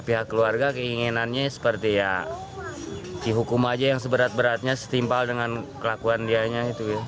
pihak keluarga keinginannya seperti ya dihukum aja yang seberat beratnya setimpal dengan kelakuan dianya